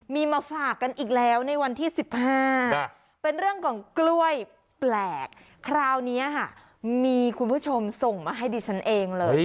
มีมาฝากกันอีกแล้วในวันที่๑๕เป็นเรื่องของกล้วยแปลกคราวนี้ค่ะมีคุณผู้ชมส่งมาให้ดิฉันเองเลย